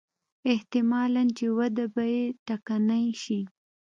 احتمالاً چې وده به یې ټکنۍ شي.